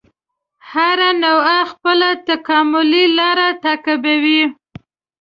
هره نوعه خپله تکاملي لاره تعقیبوي.